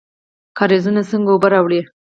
کاریزونه څنګه اوبه راوړي؟